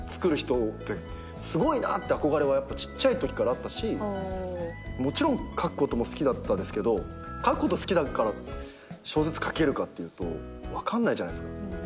って憧れはやっぱちっちゃいときからあったしもちろん書くことも好きだったですけど書くこと好きだから小説書けるかっていうと分かんないじゃないですか。